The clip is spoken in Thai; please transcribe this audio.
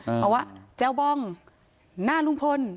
เอาว่าแจ้วบองหน้าลูกพล